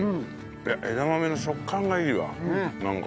枝豆の食感がいいわなんか。